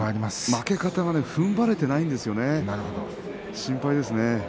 負け方がふんばれていないんですよね心配ですね。